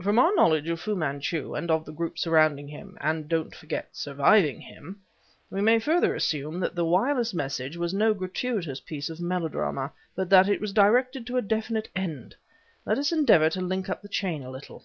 "From our knowledge of Fu Manchu and of the group surrounding him (and, don't forget, surviving him) we may further assume that the wireless message was no gratuitous piece of melodrama, but that it was directed to a definite end. Let us endeavor to link up the chain a little.